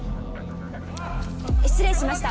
失礼しました。